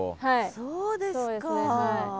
そうですか。